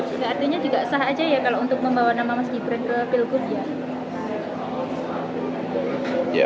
enggak artinya juga sah aja ya kalau untuk membawa nama mas gibran ke pilgub ya